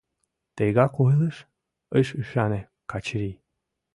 — Тыгак ойлыш? — ыш ӱшане Качырий.